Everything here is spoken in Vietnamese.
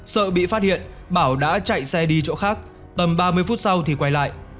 sợ bị phát hiện bảo đã chạy xe đi chỗ khác tầm ba mươi phút sau thì quay lại